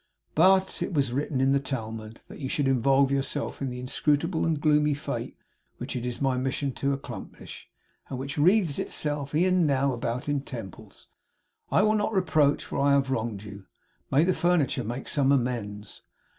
'But it was written in the Talmud that you should involve yourself in the inscrutable and gloomy Fate which it is my mission to accomplish, and which wreathes itself e'en now about in temples. I will not reproach, for I have wronged you. May the Furniture make some amends!